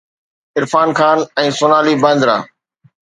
Irfan Khan ۽ Sonali Bandra